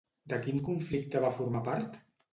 De quin conflicte va formar part?